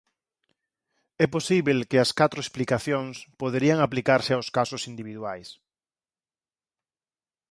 É posíbel que as catro explicacións poderían aplicarse aos casos individuais.